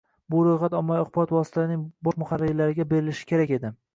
bu ro‘yxat ommaviy axborot vositalarining bosh muharrirlariga berilishi kerak edi.